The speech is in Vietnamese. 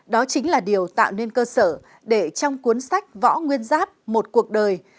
đó chính là điều tạo nên cơ sở để trong cuốn sách võ nguyên giáp một cuộc đời